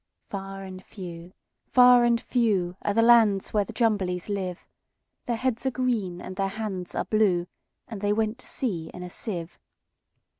Far and few, far and few, Are the lands where the Jumblies live:Their heads are green, and their hands are blue; And they went to sea in a sieve.